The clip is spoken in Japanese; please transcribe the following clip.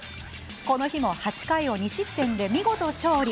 この日も８回を２失点で見事勝利。